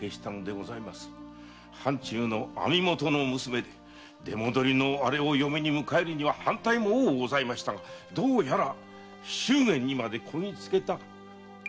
藩中の網元の娘で出戻りのあれを嫁に迎えるには反対も多くございましたが祝言にこぎつけた前の日に。